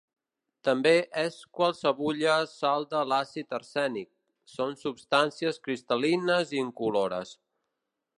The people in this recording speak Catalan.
També és qualsevulla sal de l'àcid arsènic; són substàncies cristal·lines i incolores.